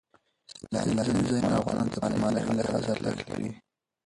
سیلاني ځایونه افغانانو ته په معنوي لحاظ ارزښت لري.